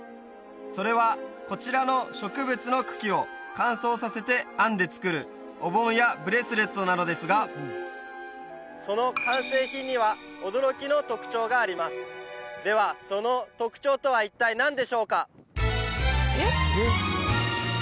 それはこちらの植物の茎を乾燥させて編んで作るお盆やブレスレットなのですがそのありますではその特徴とは一体何でしょうか？